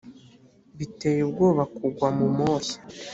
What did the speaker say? biteye ubwoba kugwa mu moshya